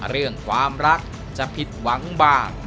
เรื่องความรักจะผิดหวังบ้าง